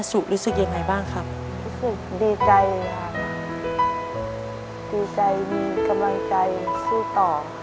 รู้สึกยังไงบ้างครับรู้สึกดีใจเลยค่ะดีใจมีกำลังใจสู้ต่อ